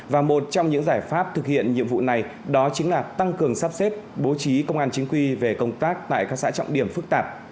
và một trong những giải pháp thực hiện nhiệm vụ này đó chính là tăng cường sắp xếp bố trí công an chính quy về công tác tại các xã trọng điểm phức tạp